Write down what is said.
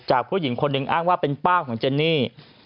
ผู้หญิงคนหนึ่งอ้างว่าเป็นป้าของเจนนี่